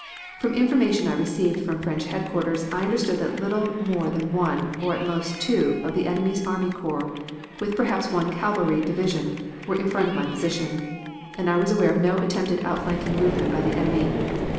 "From information I received from French headquarters I understood that little more than one, or at most two, of the enemy's army corps, with perhaps one cavalry division, were in front of my position; and I was aware of no attempted outflanking movement by the enemy.